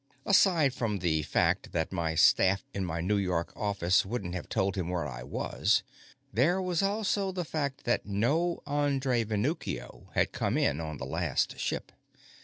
Aside from the fact that my staff in my New York office wouldn't have told him where I was, there was also the fact that no André Venuccio had come in on the last ship.